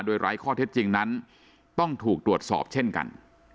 โดยไร้ข้อเท็จจริงนั้นต้องถูกตรวจสอบเช่นกัน